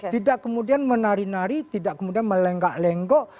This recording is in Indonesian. tidak kemudian menari nari tidak kemudian melenggak lenggok